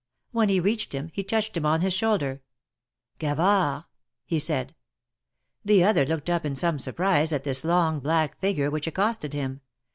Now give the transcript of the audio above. When he reached him, he touched him on his shoulder. Gavard !" he said. The other looked up in some surprise at this long, black figure, which accosted him.